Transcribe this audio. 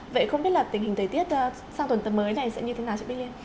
vậy không biết là tình hình thời tiết sang tuần tầm mới này sẽ như thế nào chẳng biết liên